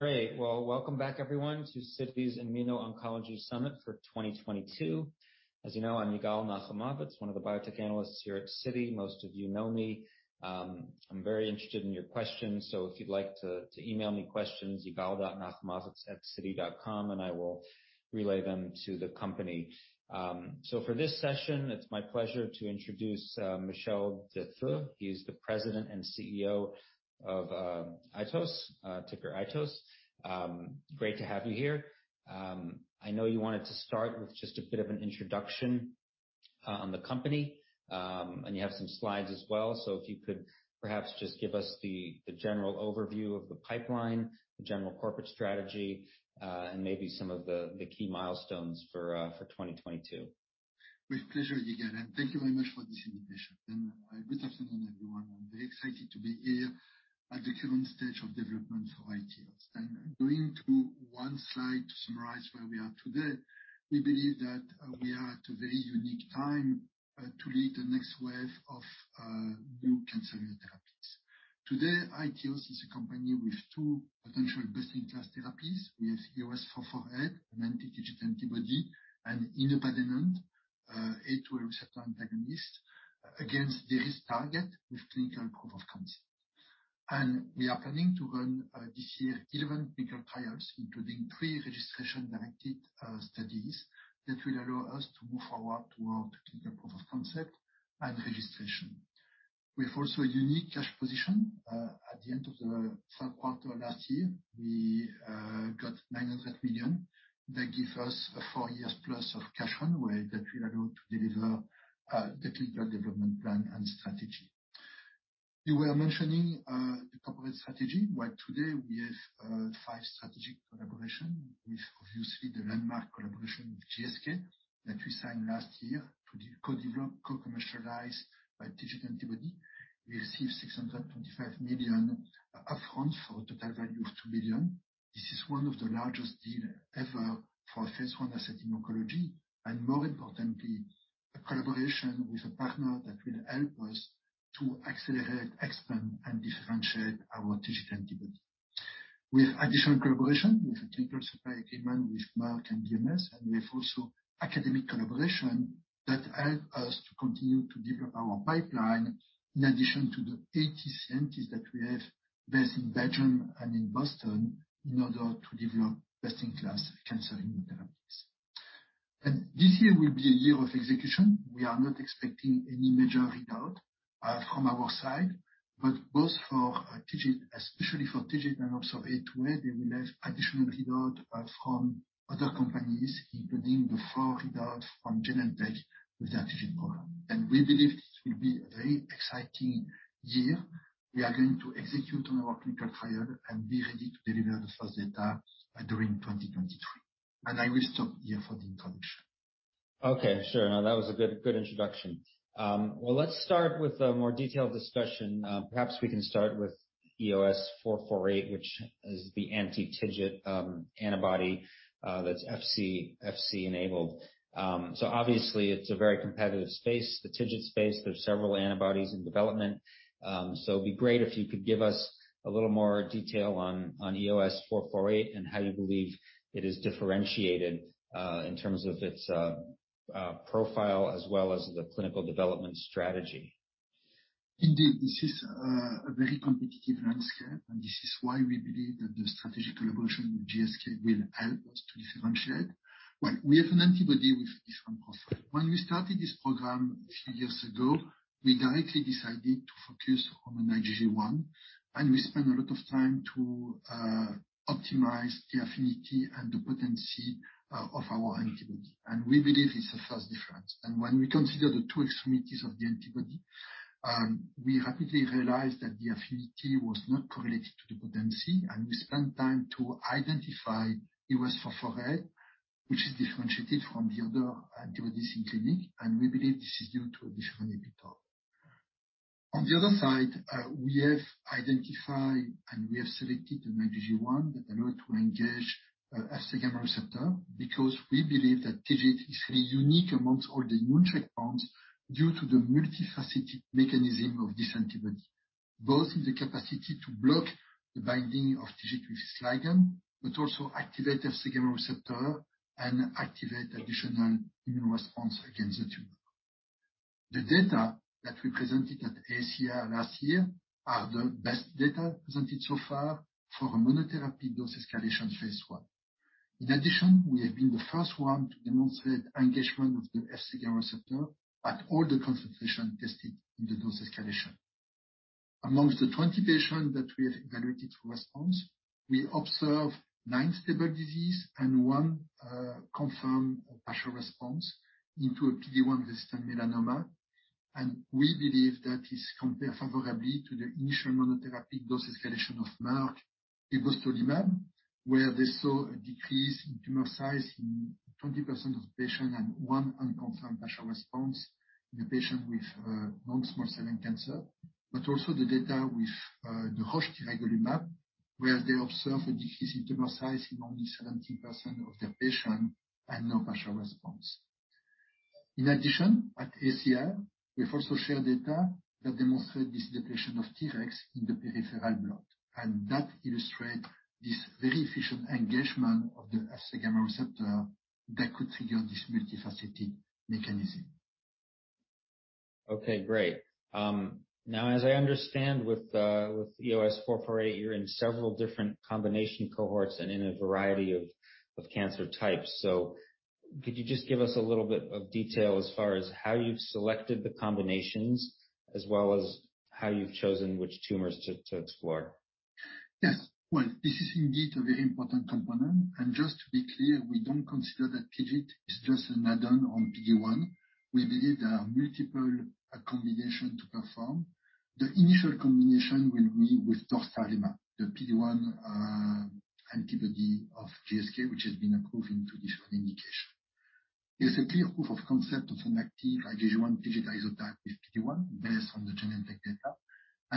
Great. Well, welcome back everyone to Citi's Immuno-Oncology Summit for 2022. As you know, I'm Yigal Nochomovitz, one of the biotech analysts here at Citi. Most of you know me. I'm very interested in your questions, so if you'd like to email me questions, yigal.naquem-abetz@citi.com, and I will relay them to the company. For this session, it's my pleasure to introduce Michel Detheux. He is the President and CEO of iTeos, ticker iTeos. Great to have you here. I know you wanted to start with just a bit of an introduction on the company, and you have some slides as well. If you could perhaps just give us the general overview of the pipeline, the general corporate strategy, and maybe some of the key milestones for 2022. With pleasure, Yigal, and thank you very much for this invitation. Good afternoon, everyone. I'm very excited to be here at the current stage of development for iTeos. Going to one slide to summarize where we are today, we believe that we are at a very unique time to lead the next wave of new cancer immunotherapies. Today, iTeos is a company with two potential best-in-class therapies. We have EOS448, an anti-TIGIT antibody, and inupadenant, A2A receptor antagonist, against the adenosine target with clinical proof of concept. We are planning to run this year 11 clinical trials, including 3 registration-directed studies that will allow us to move forward toward clinical proof of concept and registration. We have also a unique cash position. At the end of the third quarter of last year, we got $900 million that gives us 4 years plus of cash on hand, which will allow us to deliver the clinical development plan and strategy. You were mentioning the corporate strategy. Well, today we have 5 strategic collaborations with obviously the landmark collaboration with GSK that we signed last year to co-develop, co-commercialize our TIGIT antibody. We received $625 million upfront for a total value of $2 billion. This is one of the largest deals ever for a phase I asset in oncology and more importantly, a collaboration with a partner that will help us to accelerate, expand, and differentiate our TIGIT antibody. We have additional collaboration with a clinical supply agreement with Merck and BMS, and we have also academic collaboration that help us to continue to develop our pipeline in addition to the 80 scientists that we have based in Belgium and in Boston in order to develop best-in-class cancer immunotherapies. This year will be a year of execution. We are not expecting any major readout from our side, but both for TIGIT, especially for TIGIT and also A2A, there will have additional readout from other companies, including the four readout from Genentech with their TIGIT program. We believe this will be a very exciting year. We are going to execute on our clinical trial and be ready to deliver the first data during 2023. I will stop here for the introduction. Okay, sure. No, that was a good introduction. Well, let's start with a more detailed discussion. Perhaps we can start with EOS-448, which is the anti-TIGIT antibody that's Fc-enabled. So obviously it's a very competitive space, the TIGIT space. There's several antibodies in development. So it'd be great if you could give us a little more detail on EOS-448 and how you believe it is differentiated in terms of its profile as well as the clinical development strategy. Indeed, this is a very competitive landscape, and this is why we believe that the strategic collaboration with GSK will help us to differentiate. Well, we have an antibody with a different profile. When we started this program a few years ago, we directly decided to focus on an IgG1, and we spent a lot of time to optimize the affinity and the potency of our antibody. We believe it's the first difference. When we consider the two extremities of the antibody, we rapidly realized that the affinity was not correlated to the potency, and we spent time to identify EOS-448, which is differentiated from the other antibodies in clinic, and we believe this is due to a different epitope. On the other side, we have identified, and we have selected an IgG1 that allowed to engage, Fc gamma receptor because we believe that TIGIT is really unique amongst all the immune checkpoints due to the multifaceted mechanism of this antibody, both in the capacity to block the binding of TIGIT with its ligand, but also activate Fc gamma receptor and activate additional immune response against the tumor. The data that we presented at AACR last year are the best data presented so far for a monotherapy dose-escalation phase I. In addition, we have been the first one to demonstrate engagement of the Fc gamma receptor at all the concentration tested in the dose escalation. Amongst the 20 patients that we have evaluated for response, we observed 9 stable disease and one confirmed partial response into a PD-1 resistant melanoma. We believe that this compare favorably to the initial monotherapy dose escalation of Merck vibostolimab, where they saw a decrease in tumor size in 20% of patient and one unconfirmed partial response in the patient with non-small cell lung cancer. Also the data with the domvanalimab, where they observed a decrease in tumor size in only 70% of their patient and no partial response. In addition, at AACR, we also share data that demonstrate this depletion of Tregs in the peripheral blood that illustrate this very efficient engagement of the Fc gamma receptor that could trigger this multifaceted mechanism. Okay, great. Now as I understand with with EOS-448, you're in several different combination cohorts and in a variety of of cancer types. Could you just give us a little bit of detail as far as how you've selected the combinations as well as how you've chosen which tumors to explore? Yes. Well, this is indeed a very important component. Just to be clear, we don't consider that TIGIT is just an add-on on PD-1. We believe there are multiple combination to perform. The initial combination will be with dostarlimab, the PD-1 antibody of GSK, which has been approved in traditional indication. There's a clear proof of concept of an active IgG1 TIGIT isotype with PD-1 based on the Genentech data.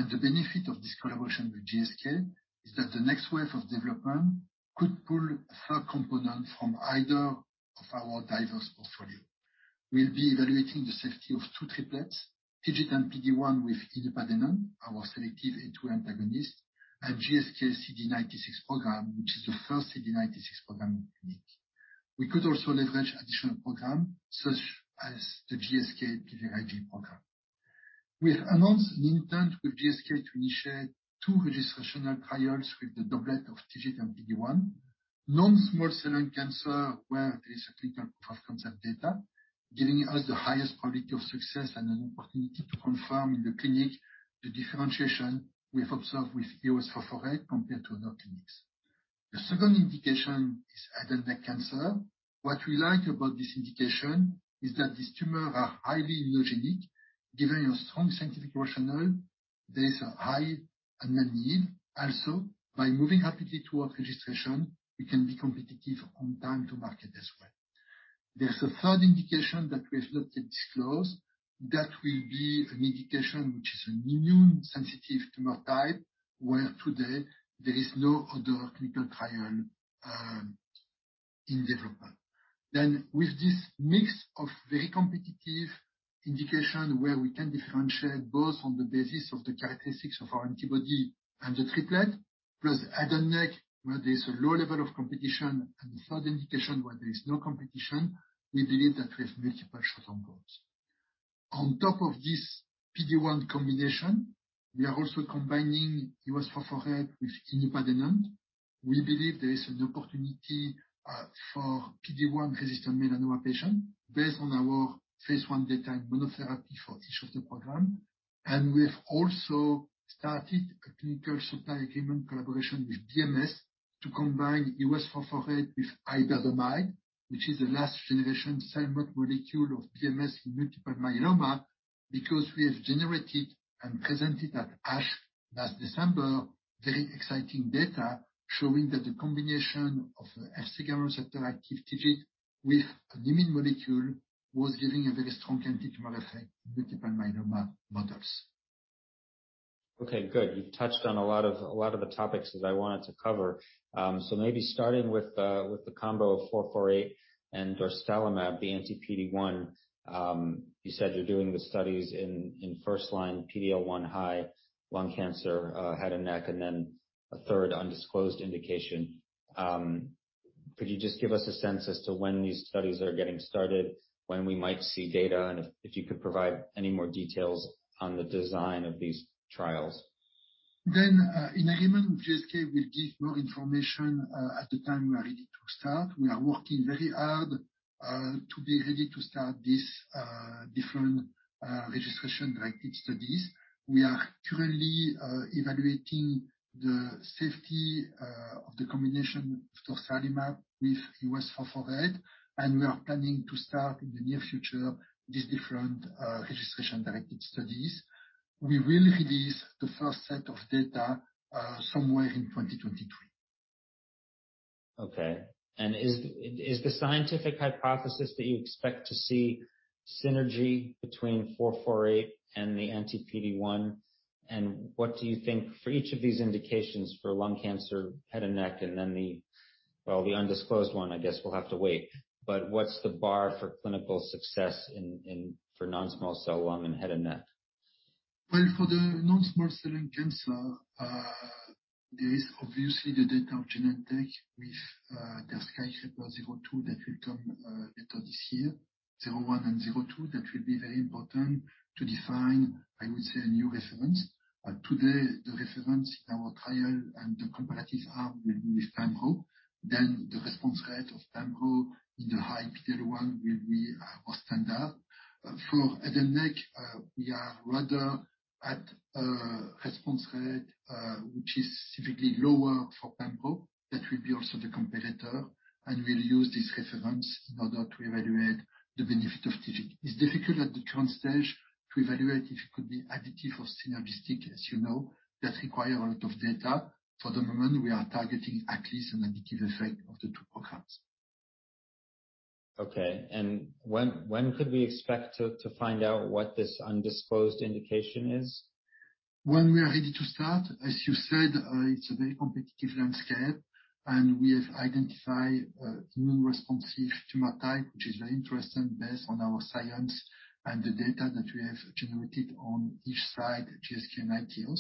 The benefit of this collaboration with GSK is that the next wave of development could pull a third component from either of our diverse portfolio. We'll be evaluating the safety of two triplets, TIGIT and PD-1 with inupadenant, our selective A2A antagonist, and GSK CD96 program, which is the first CD96 program in clinic. We could also leverage additional program such as the GSK TIGIT Ig program. We have announced an intent with GSK to initiate two registrational trials with the doublet of TIGIT and PD-1. Non-small cell lung cancer, where there is a clinical proof of concept data, giving us the highest probability of success and an opportunity to confirm in the clinic the differentiation we have observed with EOS-448 compared to other TIGITs. The second indication is head and neck cancer. What we like about this indication is that these tumors are highly immunogenic, giving a strong scientific rationale. There is a high unmet need. Also, by moving rapidly towards registration, we can be competitive on time to market as well. There's a third indication that we have not yet disclosed. That will be an indication which is an immune sensitive tumor type, where today there is no other clinical trial in development. With this mix of very competitive indication where we can differentiate both on the basis of the characteristics of our antibody and the triplet, plus head and neck, where there's a low level of competition, and the third indication where there is no competition, we believe that we have multiple shots on goals. On top of this PD-1 combination, we are also combining EOS-448 with inupadenant. We believe there is an opportunity for PD-1 resistant melanoma patient based on our phase I data monotherapy for each of the program. We have also started a clinical supply agreement collaboration with BMS to combine EOS-448 with iberdomide, which is a next-generation CELMoD molecule of BMS in multiple myeloma because we have generated and presented at ASH last December very exciting data showing that the combination of Fc gamma receptor active TIGIT with an IMiD was giving a very strong antitumor effect in multiple myeloma models. Okay, good. You've touched on a lot of the topics that I wanted to cover. So maybe starting with the combo of EOS-448 and durvalumab, the anti-PD-1, you said you're doing the studies in first-line PD-L1 high lung cancer, head and neck, and then a third undisclosed indication. Could you just give us a sense as to when these studies are getting started, when we might see data, and if you could provide any more details on the design of these trials? In agreement with GSK, we'll give more information at the time we are ready to start. We are working very hard to be ready to start this different registration-directed studies. We are currently evaluating the safety of the combination durvalumab with EOS-448, and we are planning to start in the near future these different registration-directed studies. We will release the first set of data somewhere in 2023. Okay. Is the scientific hypothesis that you expect to see synergy between EOS-448 and the anti-PD-1? What do you think for each of these indications for lung cancer, head and neck, and then the undisclosed one? Well, the undisclosed one, I guess we'll have to wait. What's the bar for clinical success in non-small cell lung and head and neck? Well, for the non-small cell lung cancer, there is obviously the data of Genentech with their SKYSCRAPER-02 that will come later this year. SKYSCRAPER-01 and SKYSCRAPER-02, that will be very important to define, I would say, a new reference. Today, the reference in our trial and the comparative arm will be with pembro. The response rate of pembro in the high PD-L1 will be our standard. For head and neck, we are rather at a response rate, which is typically lower for pembro. That will be also the competitor. We'll use this reference in order to evaluate the benefit of TIGIT. It's difficult at the current stage to evaluate if it could be additive or synergistic. As you know, that require a lot of data. For the moment, we are targeting at least an additive effect of the two programs. Okay. When could we expect to find out what this undisclosed indication is? When we are ready to start. As you said, it's a very competitive landscape, and we have identified a new responsive tumor type, which is very interesting based on our science and the data that we have generated on each side, GSK and iTeos.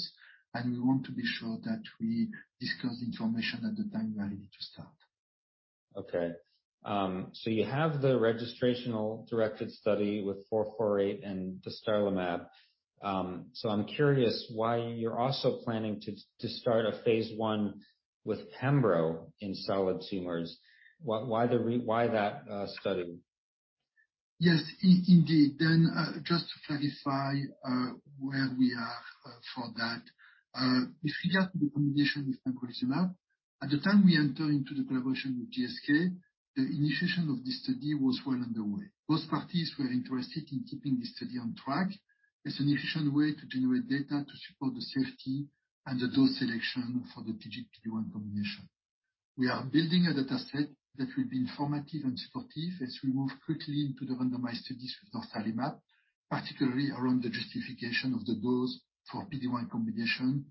We want to be sure that we discuss the information at the time we are ready to start. Okay. You have the registrational directed study with EOS-448 and dostarlimab. I'm curious why you're also planning to start a phase I with pembro in solid tumors. Why that study? Yes, indeed. Just to clarify where we are for that. With regard to the combination with pembrolizumab, at the time we entered into the collaboration with GSK, the initiation of this study was well underway. Both parties were interested in keeping the study on track as an efficient way to generate data to support the safety and the dose selection for the TIGIT PD-1 combination. We are building a data set that will be informative and supportive as we move quickly into the randomized studies with dostarlimab, particularly around the justification of the dose for PD-1 combination.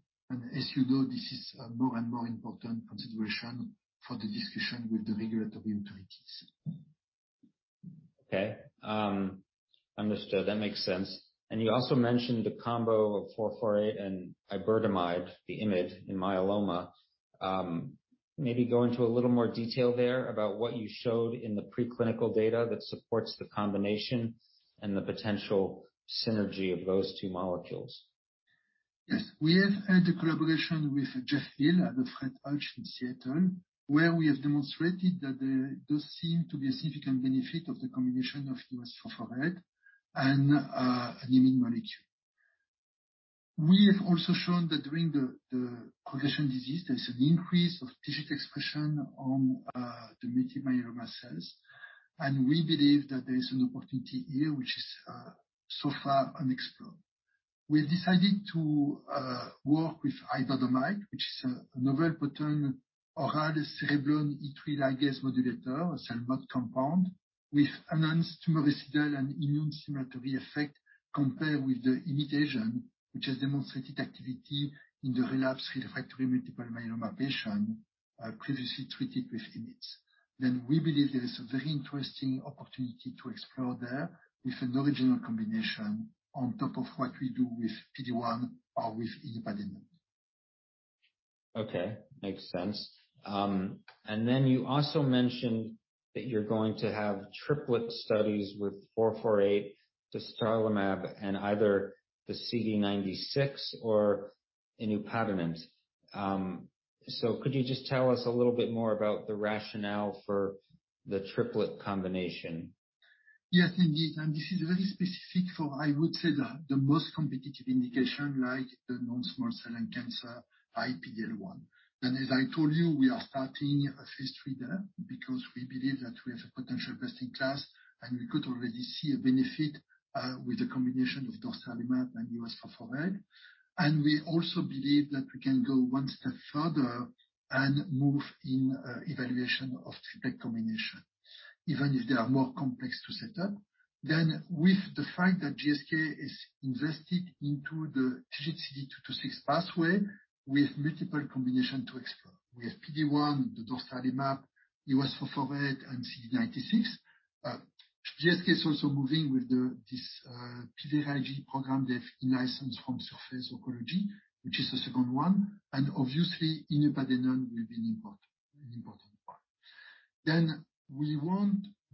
As you know, this is a more and more important consideration for the discussion with the regulatory authorities. Okay. Understood. That makes sense. You also mentioned the combo of EOS-448 and iberdomide, the IMiD in myeloma. Maybe go into a little more detail there about what you showed in the preclinical data that supports the combination and the potential synergy of those two molecules. Yes. We have had a collaboration with Geoffrey Hill at the Fred Hutch in Seattle, where we have demonstrated that there does seem to be a significant benefit of the combination of EOS-448 and an IMiD molecule. We have also shown that during the progression disease, there's an increase of TIGIT expression on the multiple myeloma cells, and we believe that there is an opportunity here which is so far unexplored. We decided to work with iberdomide, which is a novel potent oral cereblon E3 ligase modulator, a CELMoD compound with enhanced tumoricidal and immune stimulatory effect compared with the IMiDs, which has demonstrated activity in the relapse refractory multiple myeloma patient previously treated with IMiDs. We believe there is a very interesting opportunity to explore there with an original combination on top of what we do with PD-1 or with inupadenant. Okay, makes sense. You also mentioned that you're going to have triplet studies with four-four-eight, dostarlimab and either the CD96 or inupadenant. Could you just tell us a little bit more about the rationale for the triplet combination? Yes, indeed. This is very specific for, I would say, the most competitive indication like the non-small cell lung cancer PD-L1 high. As I told you, we are starting a phase III there because we believe that we have a potential best in class, and we could already see a benefit with the combination of dostarlimab and EOS-448. We also believe that we can go one step further and move in evaluation of triplet combination, even if they are more complex to set up. With the fact that GSK is invested into the TIGIT CD226 pathway with multiple combination to explore. We have PD-1, the dostarlimab, EOS-448, and CD96. GSK is also moving with this PVRIG program they've licensed from Surface Oncology, which is the second one. Obviously inupadenant will be an important part.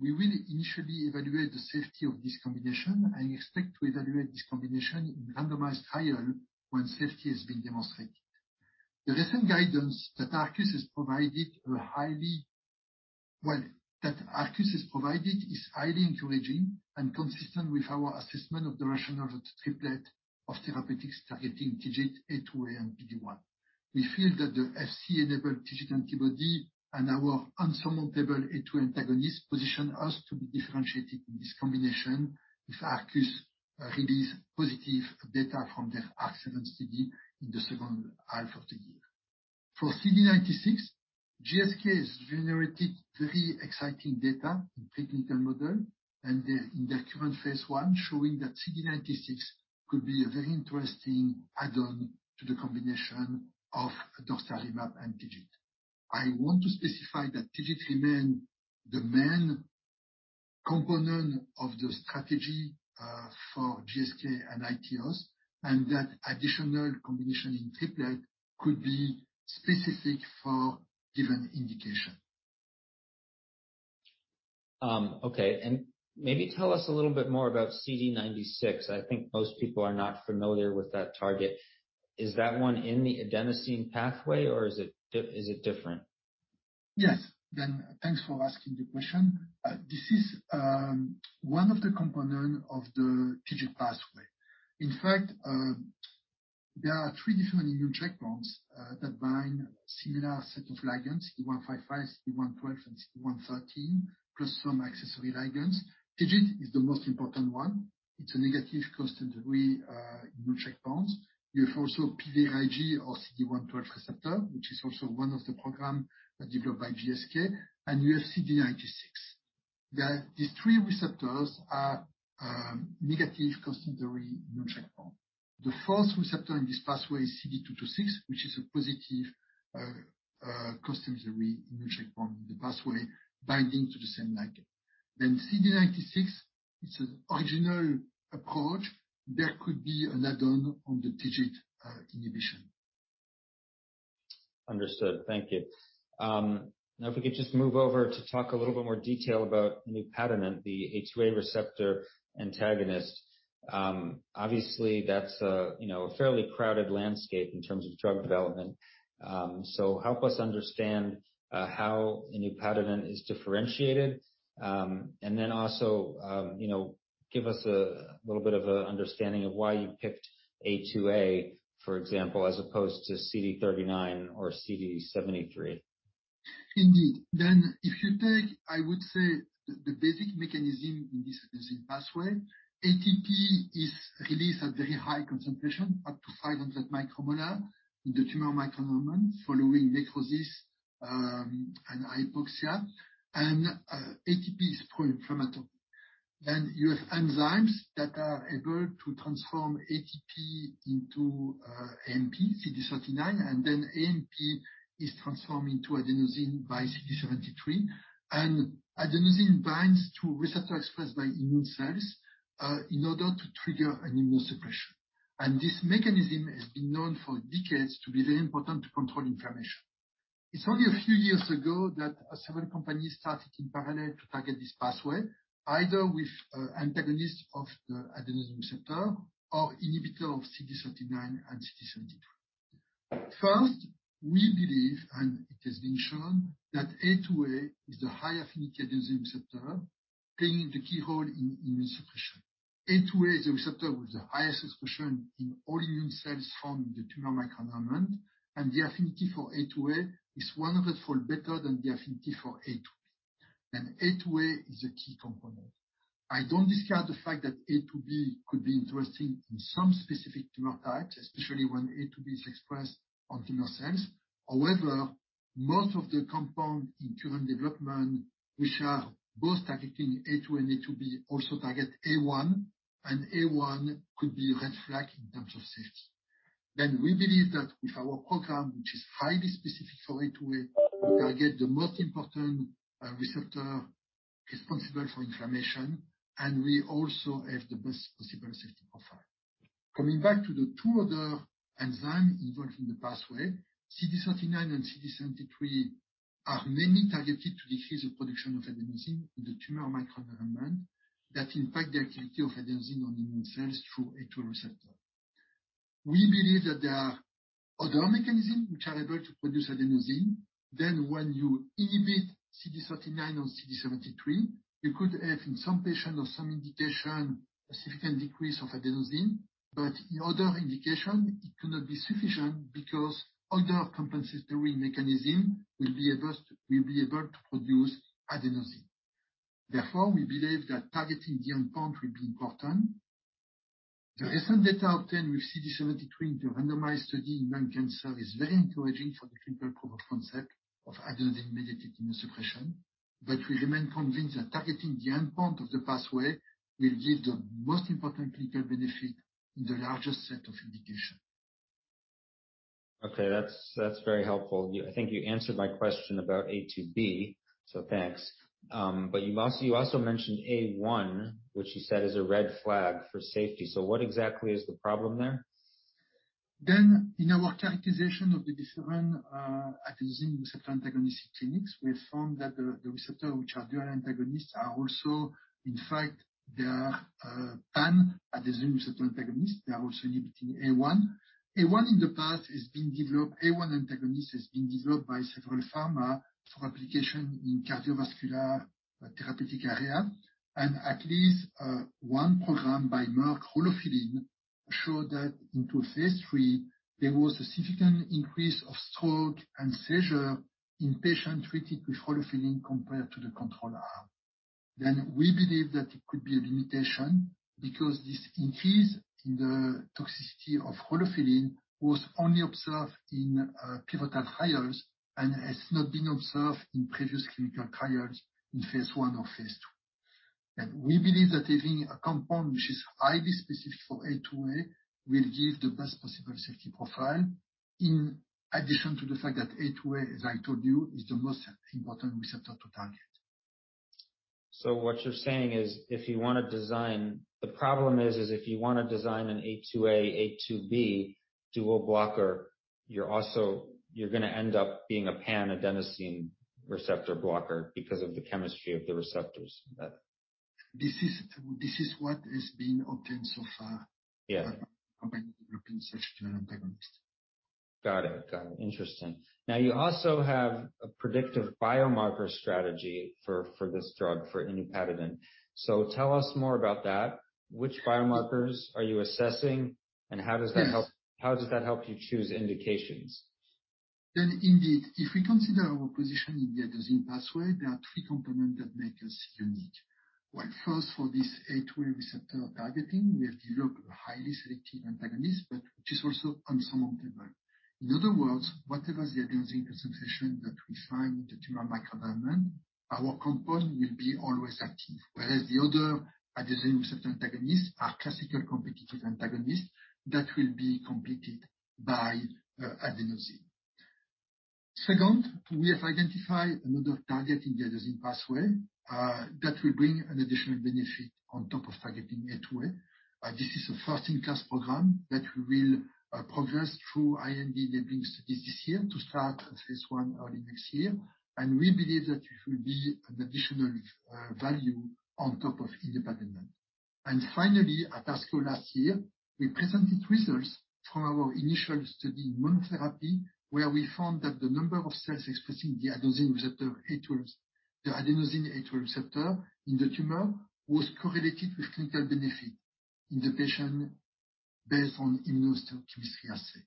We will initially evaluate the safety of this combination. I expect to evaluate this combination in a randomized trial once safety has been demonstrated. The recent guidance that Arcus has provided is highly encouraging and consistent with our assessment of the rationale of triplet of therapeutics targeting TIGIT, A2A, and PD-1. We feel that the Fc-enabled TIGIT antibody and our insurmountable A2A antagonist position us to be differentiated in this combination if Arcus release positive data from their ARC7 study in the second half of the year. For CD96, GSK has generated very exciting data in preclinical model in their current phase I showing that CD96 could be a very interesting add-on to the combination of dostarlimab and TIGIT. I want to specify that TIGIT remain the main component of the strategy for GSK and ITOS, and that additional combination in triplet could be specific for given indication. Okay. Maybe tell us a little bit more about CD96. I think most people are not familiar with that target. Is that one in the adenosine pathway or is it different? Yes. Thanks for asking the question. This is one of the component of the TIGIT pathway. In fact, there are three different immune checkpoints that bind similar set of ligands, CD155, CD112, and CD113, plus some accessory ligands. TIGIT is the most important one. It's a negative costimulatory immune checkpoint. You also have PVRIG or CD112 receptor, which is also one of the program developed by GSK, and you have CD96. These three receptors are negative costimulatory immune checkpoint. The first receptor in this pathway is CD226, which is a positive costimulatory immune checkpoint in the pathway binding to the same ligand. CD96 is an original approach that could be an add-on on the TIGIT inhibition. Understood. Thank you. Now, if we could just move over to talk a little bit more detail about inupadenant, the A2A receptor antagonist. Obviously, that's, you know, a fairly crowded landscape in terms of drug development. Help us understand how inupadenant is differentiated. Then also, you know, give us a little bit of an understanding of why you picked A2A, for example, as opposed to CD39 or CD73. Indeed. If you take, I would say the basic mechanism in this adenosine pathway, ATP is released at very high concentration, up to 500 micromolar in the tumor microenvironment following necrosis, and hypoxia. ATP is pro-inflammatory. You have enzymes that are able to transform ATP into AMP, CD39. AMP is transformed into adenosine by CD73. Adenosine binds to receptors expressed by immune cells in order to trigger an immunosuppression. This mechanism has been known for decades to be very important to controlling inflammation. It's only a few years ago that several companies started in parallel to target this pathway, either with antagonists of the adenosine receptor or inhibitor of CD39 and CD73. First, we believe, and it has been shown that A2A is the high affinity adenosine receptor playing the key role in immunosuppression. A2A is the receptor with the highest expression in all immune cells from the tumor microenvironment, and the affinity for A2A is 100-fold better than the affinity for A2B. A2A is a key component. I don't discard the fact that A2B could be interesting in some specific tumor types, especially when A2B is expressed on tumor cells. However, most of the compounds in current development which are both targeting A2A and A2B also target A1, and A1 could be red flag in terms of safety. We believe that with our program, which is highly specific for A2A, we target the most important receptor responsible for inflammation, and we also have the best possible safety profile. Coming back to the two other enzyme involved in the pathway, CD39 and CD73 are mainly targeted to decrease the production of adenosine in the tumor microenvironment that impact the activity of adenosine on immune cells through A2A receptor. We believe that there are other mechanism which are able to produce adenosine. When you inhibit CD39 and CD73, you could have, in some patient or some indication, a significant decrease of adenosine. But in other indication it could not be sufficient because other compensatory mechanism will be able to produce adenosine. Therefore, we believe that targeting the endpoint will be important. The recent data obtained with CD73, the randomized study in lung cancer, is very encouraging for the clinical proof of concept of adenosine-mediated immunosuppression. We remain convinced that targeting the endpoint of the pathway will give the most important clinical benefit in the largest set of indications. Okay. That's very helpful. I think you answered my question about A2B, so thanks. But you also mentioned A1, which you said is a red flag for safety. What exactly is the problem there? In our characterization of the different adenosine receptor antagonists in clinics, we have found that the receptors which are dual antagonists are also in fact pan-adenosine receptor antagonists. They are also inhibiting A1. A1 in the past has been developed. A1 antagonist has been developed by several pharma for application in cardiovascular therapeutic area. At least one program by Merck, rolofylline, showed that in phase III there was a significant increase in stroke and seizure in patients treated with rolofylline compared to the control arm. We believe that it could be a limitation because this increase in the toxicity of rolofylline was only observed in pivotal trials and has not been observed in previous clinical trials in phase I or phase II. We believe that having a compound which is highly specific for A2A will give the best possible safety profile, in addition to the fact that A2A, as I told you, is the most important receptor to target. What you're saying is, if you want to design an A2A/A2B dual blocker, the problem is if you want to design it, you're also gonna end up being a pan-adenosine receptor blocker because of the chemistry of the receptors. Is that? This is what has been obtained so far. Yeah. by company developing such kind of antagonist. Got it. Interesting. Now you also have a predictive biomarker strategy for this drug, for inupadenant. Tell us more about that. Which biomarkers are you assessing, and how does that help- Yes. How does that help you choose indications? Indeed, if we consider our position in the adenosine pathway, there are three component that make us unique. Well, first, for this A2A receptor targeting, we have developed a highly selective antagonist, but which is also insurmountable. In other words, whatever the adenosine concentration that we find in the tumor microenvironment, our compound will be always active. Whereas the other adenosine receptor antagonists are classical competitive antagonists that will be competed by adenosine. Second, we have identified another target in the adenosine pathway, that will bring an additional benefit on top of targeting A2A. This is a first-in-class program that we will progress through IND-enabling studies this year to start a phase I early next year. We believe that it will be an additional value on top of inupadenant. Finally, at ASCO last year, we presented results from our initial study in monotherapy, where we found that the number of cells expressing the adenosine receptor A2As, the adenosine A2A receptor in the tumor was correlated with clinical benefit in the patient based on immunohistochemistry assay.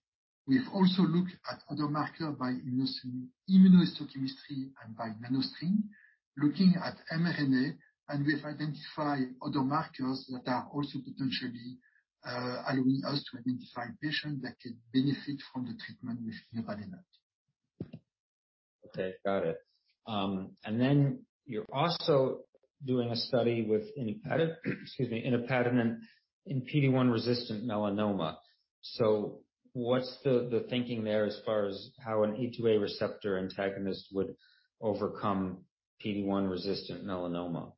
We have also looked at other marker by immunohistochemistry and by NanoString, looking at mRNA, and we have identified other markers that are also potentially allowing us to identify patients that could benefit from the treatment with inupadenant. Okay, got it. And then you're also doing a study with inupadenant in PD-1-resistant melanoma. What's the thinking there as far as how an A2A receptor antagonist would overcome PD-1-resistant melanoma?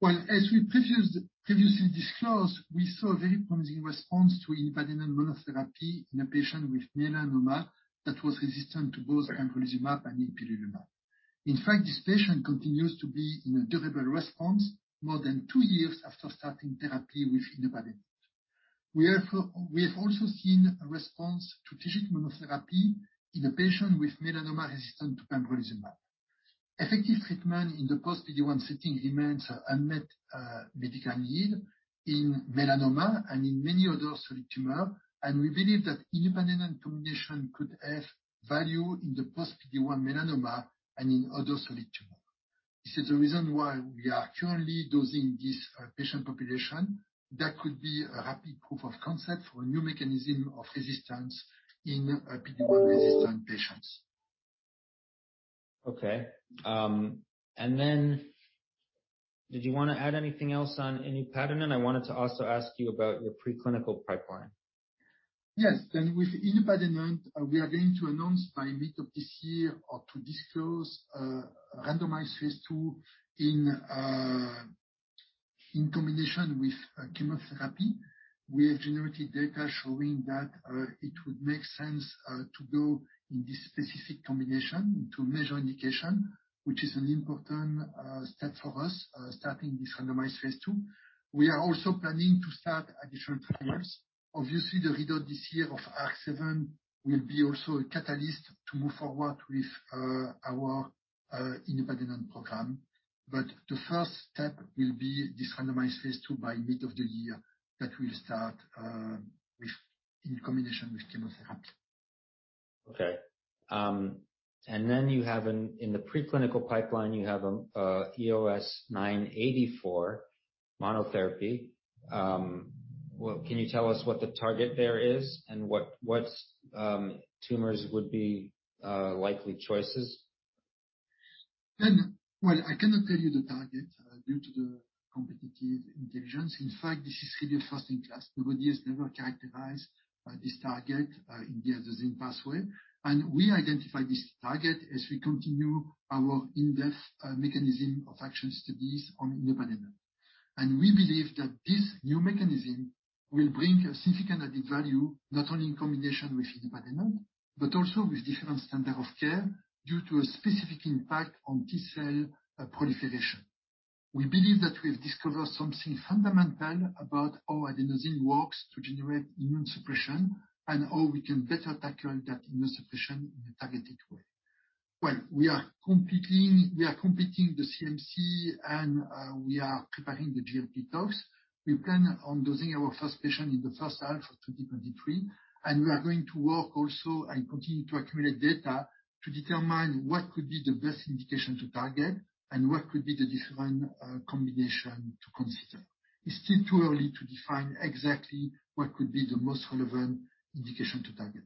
Well, as we previously disclosed, we saw a very promising response to inupadenant monotherapy in a patient with melanoma that was resistant to both pembrolizumab and ipilimumab. In fact, this patient continues to be in a durable response more than two years after starting therapy with inupadenant. We have also seen a response to TIGIT monotherapy in a patient with melanoma resistant to pembrolizumab. Effective treatment in the post PD-1 setting remains an unmet medical need in melanoma and in many other solid tumor, and we believe that inupadenant combination could have value in the post PD-1 melanoma and in other solid tumor. This is the reason why we are currently dosing this patient population. That could be a key proof of concept for a new mechanism of resistance in PD-1 resistant patients. Okay. Did you wanna add anything else on inupadenant? I wanted to also ask you about your preclinical pipeline. Yes. With inupadenant, we are going to announce by mid of this year or to disclose a randomized phase II in combination with chemotherapy. We have generated data showing that it would make sense to go in this specific combination to mesothelioma indication, which is an important step for us starting this randomized phase II. We are also planning to start additional studies. Obviously, the readout this year of ARC-7 will be also a catalyst to move forward with our inupadenant program. The first step will be this randomized phase II by mid of the year that we'll start with in combination with chemotherapy. Okay. You have in the preclinical pipeline EOS-984 monotherapy. Well, can you tell us what the target there is and what tumors would be likely choices? Well, I cannot tell you the target due to the competitive intelligence. In fact, this is really first-in-class. Nobody has ever characterized this target in the adenosine pathway. We identified this target as we continue our in-depth mechanism of action studies on inupadenant. We believe that this new mechanism will bring a significant added value, not only in combination with inupadenant, but also with different standard of care due to a specific impact on T-cell proliferation. We believe that we have discovered something fundamental about how adenosine works to generate immune suppression and how we can better tackle that immunosuppression in a targeted way. Well, we are completing the CMC and we are preparing the GLP tox. We plan on dosing our first patient in the first half of 2023, and we are going to work also and continue to accumulate data to determine what could be the best indication to target and what could be the different, combination to consider. It's still too early to define exactly what could be the most relevant indication to target.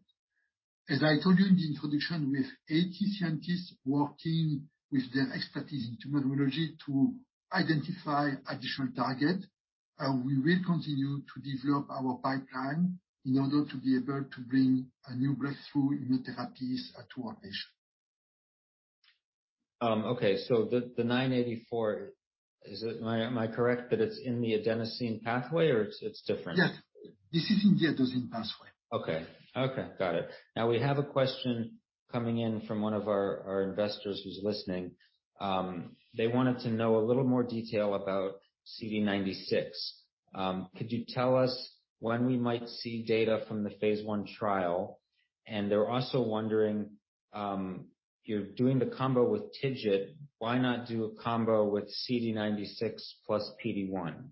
As I told you in the introduction, we have 80 scientists working with their expertise in tumor immunology to identify additional target. We will continue to develop our pipeline in order to be able to bring a new breakthrough immunotherapies, to our patient. Okay. The EOS-984, am I correct that it's in the adenosine pathway or it's different? Yes. This is in the adenosine pathway. Okay. Okay, got it. Now we have a question coming in from one of our investors who's listening. They wanted to know a little more detail about CD96. Could you tell us when we might see data from the phase I trial? And they're also wondering, you're doing the combo with TIGIT, why not do a combo with CD96 plus PD-1?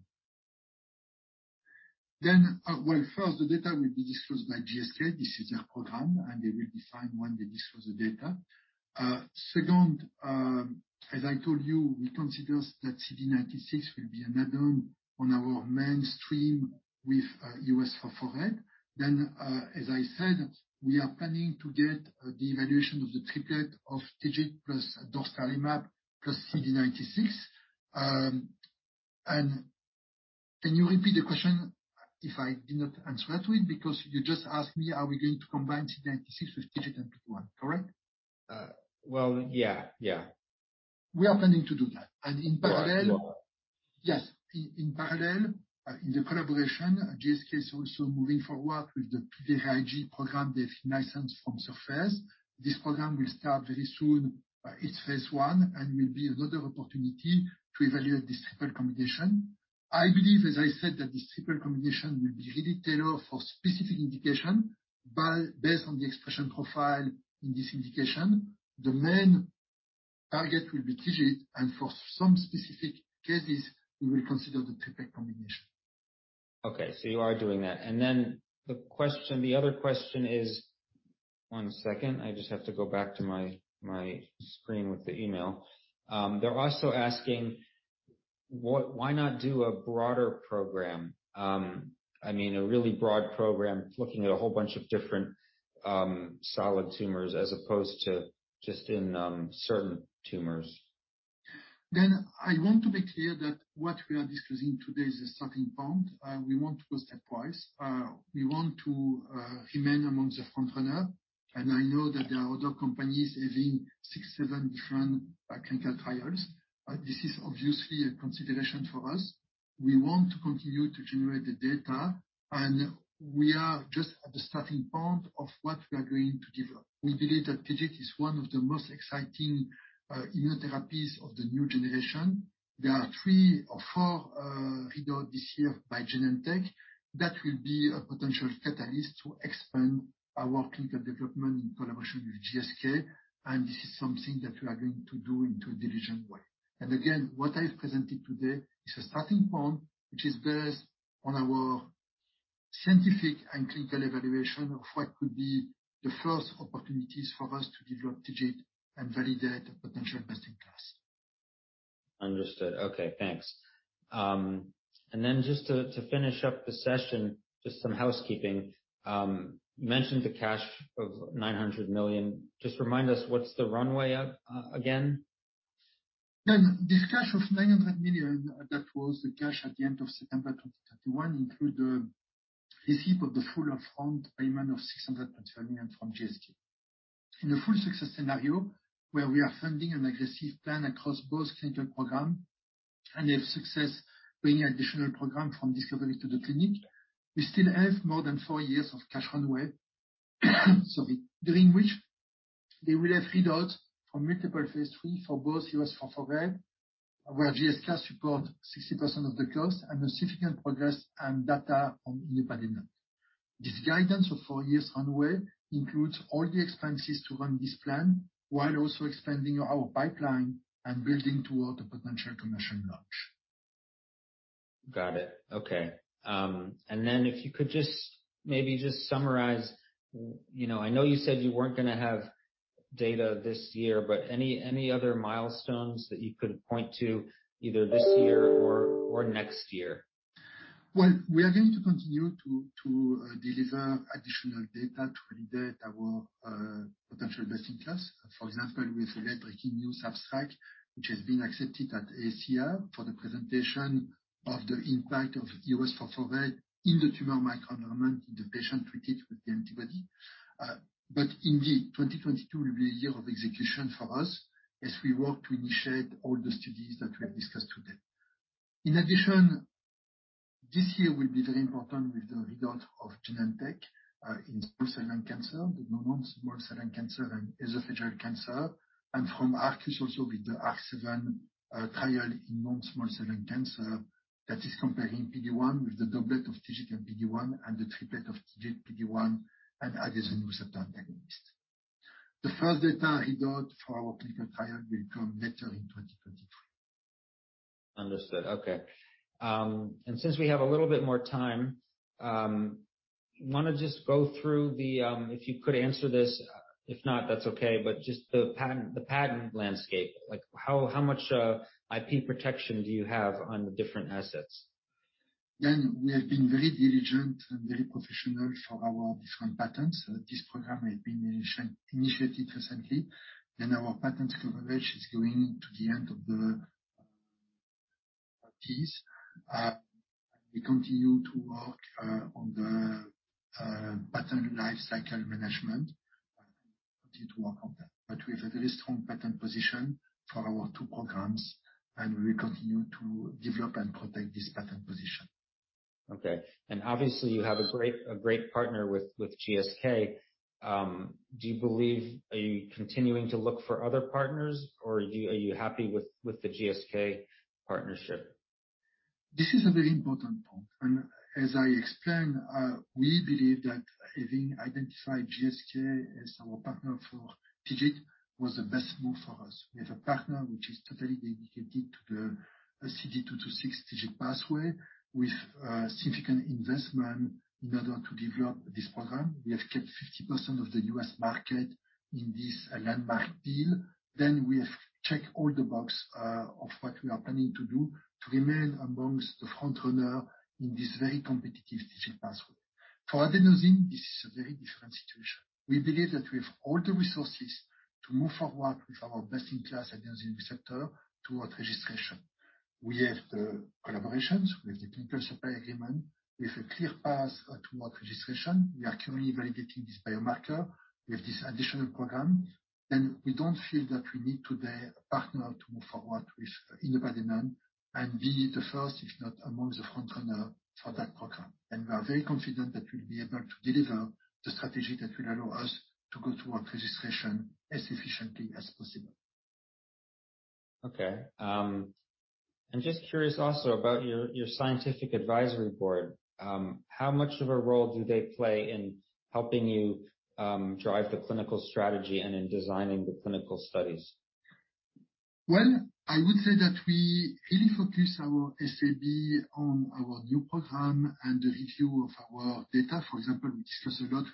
Well, first the data will be disclosed by GSK. This is their program, and they will decide when they disclose the data. Second, as I told you, we consider that CD96 will be an add-on on our mainstay with EOS-448. As I said, we are planning to get the evaluation of the triplet of TIGIT plus dostarlimab plus CD96. Can you repeat the question if I did not answer that to it? Because you just asked me, are we going to combine CD96 with TIGIT and PD-1, correct? Well, yeah. Yeah. We are planning to do that. In parallel- You are. Yes. In parallel, in the collaboration, GSK is also moving forward with the PVRIG program they've licensed from Surface Oncology. This program will start very soon, its phase I and will be another opportunity to evaluate this triple combination. I believe, as I said, that this triple combination will be really tailored for specific indication. Based on the expression profile in this indication, the main target will be TIGIT, and for some specific cases we will consider the triplet combination. You are doing that. Then the question, the other question is. One second, I just have to go back to my screen with the email. They're also asking why not do a broader program? I mean, a really broad program looking at a whole bunch of different solid tumors as opposed to just in certain tumors. I want to be clear that what we are discussing today is a starting point. We want to go stepwise. We want to remain amongst the frontrunners. I know that there are other companies having 6, 7 different clinical trials. This is obviously a consideration for us. We want to continue to generate the data, and we are just at the starting point of what we are going to develop. We believe that TIGIT is one of the most exciting immunotherapies of the new generation. There are 3 or 4 readouts this year by Genentech that will be a potential catalyst to expand our clinical development in collaboration with GSK. This is something that we are going to do in a diligent way. Again, what I've presented today is a starting point which is based on our scientific and clinical evaluation of what could be the first opportunities for us to develop TIGIT and validate a potential best-in-class. Understood. Okay, thanks. Just to finish up the session, just some housekeeping. You mentioned the cash of $900 million. Just remind us what's the runway, again? This cash of $900 million, that was the cash at the end of September 2021, including the receipt of the full upfront payment of $620 million from GSK. In a full success scenario, where we are funding an aggressive plan across both clinical programs and if success bring additional programs from discovery to the clinic, we still have more than four years of cash runway sorry, during which they will have readouts from multiple phase III for both EOS-448, where GSK support 60% of the cost and significant progress and data on inupadenant. This guidance of four years runway includes all the expenses to run this plan while also expanding our pipeline and building toward a potential commercial launch. Got it. Okay. If you could just maybe summarize, you know. I know you said you weren't gonna have data this year, but any other milestones that you could point to either this year or next year? Well, we are going to continue to deliver additional data to validate our potential best-in-class. For example, with a groundbreaking new abstract, which has been accepted at AACR for the presentation of the impact of EOS-448 in the tumor microenvironment in patients treated with the antibody. Indeed, 2022 will be a year of execution for us as we work to initiate all the studies that we have discussed today. In addition, this year will be very important with the results of Genentech in small cell lung cancer, non-small cell lung cancer and esophageal cancer, and from Arcus also with the ARC-7 trial in non-small cell lung cancer that is comparing PD-1 with the doublet of TIGIT and PD-1 and the triplet of TIGIT, PD-1 and adenosine antagonist. The first data readout for our clinical trial will come later in 2023. Understood. Okay. Since we have a little bit more time, if you could answer this. If not, that's okay. Just the patent landscape. Like how much IP protection do you have on the different assets? We have been very diligent and very professional for our different patents. This program has been initiated recently. Our patent coverage is going to the end of the piece. We continue to work on the patent life cycle management. We continue to work on that. We have a very strong patent position for our two programs, and we will continue to develop and protect this patent position. Okay. Obviously, you have a great partner with GSK. Are you continuing to look for other partners, or are you happy with the GSK partnership? This is a very important point. As I explained, we believe that having identified GSK as our partner for TIGIT was the best move for us. We have a partner which is totally dedicated to the CD226 TIGIT pathway with significant investment in order to develop this program. We have kept 50% of the U.S. market in this landmark deal. We have checked all the boxes of what we are planning to do to remain amongst the frontrunners in this very competitive TIGIT pathway. For adenosine, this is a very different situation. We believe that we have all the resources to move forward with our best-in-class adenosine receptor toward registration. We have the collaborations, we have the clinical supply agreement, we have a clear path toward registration. We are currently validating this biomarker. We have this additional program, and we don't feel that we need today a partner to move forward with inupadenant and be the first, if not amongst the frontrunner for that program. We are very confident that we'll be able to deliver the strategy that will allow us to go toward registration as efficiently as possible. Okay. I'm just curious also about your scientific advisory board. How much of a role do they play in helping you drive the clinical strategy and in designing the clinical studies? Well, I would say that we really focus our SAB on our new program and the review of our data. For example, we discussed a lot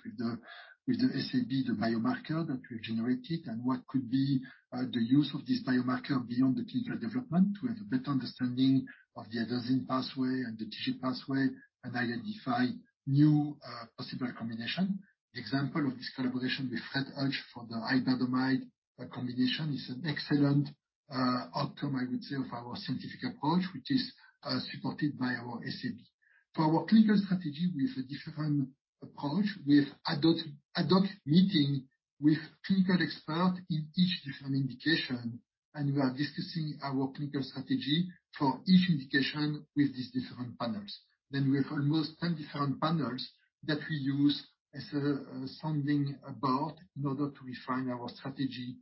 with the SAB, the biomarker that we've generated and what could be the use of this biomarker beyond the clinical development to have a better understanding of the adenosine pathway and the TIGIT pathway and identify new possible combination. Example of this collaboration with Fred Hutch for the iberdomide combination is an excellent outcome, I would say, of our scientific approach, which is supported by our SAB. For our clinical strategy, we have a different approach. We have ad hoc meeting with clinical expert in each different indication, and we are discussing our clinical strategy for each indication with these different panels. We have almost 10 different panels that we use as a sounding board in order to refine our strategy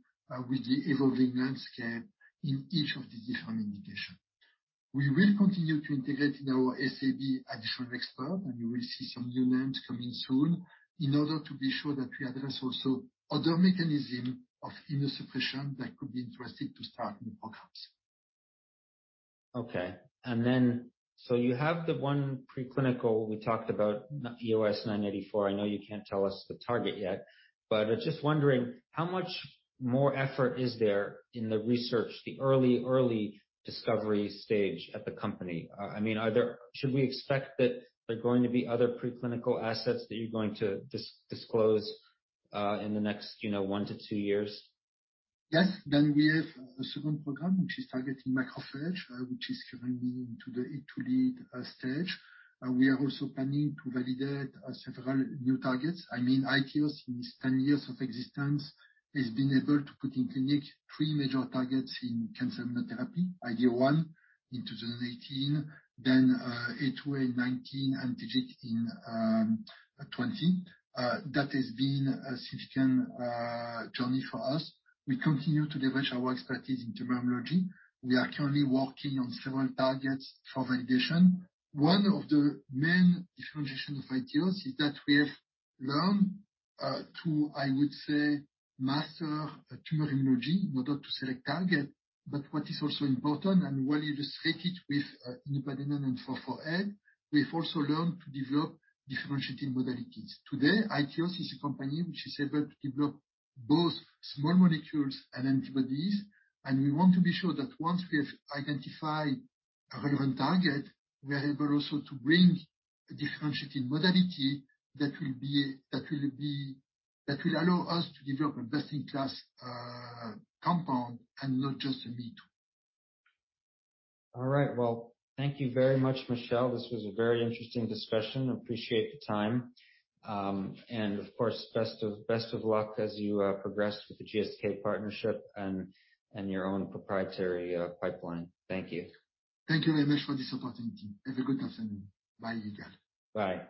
with the evolving landscape in each of the different indication. We will continue to integrate in our SAB additional expert, and you will see some new names coming soon in order to be sure that we address also other mechanism of immunosuppression that could be interesting to start new programs. Okay. You have the one preclinical we talked about, EOS-984. I know you can't tell us the target yet, but I'm just wondering how much more effort is there in the research, the early discovery stage at the company? I mean, should we expect that there are going to be other preclinical assets that you're going to disclose, in the next, you know, one to two years? Yes. We have a second program, which is targeting macrophage, which is currently into the hit-to-lead stage. We are also planning to validate several new targets. I mean, iTeos, in its 10 years of existence, has been able to put in clinic 3 major targets in cancer immunotherapy, IDO1 in 2018, then A2A in 2019 and TIGIT in 2020. That has been a significant journey for us. We continue to leverage our expertise in tumor immunology. We are currently working on several targets for validation. One of the main differentiations of iTeos is that we have learned to, I would say, master tumor immunology in order to select target. What is also important and well illustrated with inupadenant and A2A, we've also learned to develop differentiating modalities. Today, iTeos is a company which is able to develop both small molecules and antibodies, and we want to be sure that once we have identified a relevant target, we are able also to bring a differentiating modality that will allow us to develop a best-in-class compound and not just a me-too. All right. Well, thank you very much, Michel. This was a very interesting discussion. Appreciate the time. Of course, best of luck as you progress with the GSK partnership and your own proprietary pipeline. Thank you. Thank you very much for the support, Anthony. Have a good afternoon. Bye. Bye.